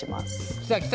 来た来た。